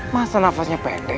masa nafasnya pendek